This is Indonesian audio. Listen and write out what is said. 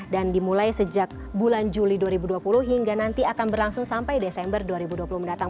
dan dimulai sejak bulan juli dua ribu dua puluh hingga nanti akan berlangsung sampai desember dua ribu dua puluh mendatang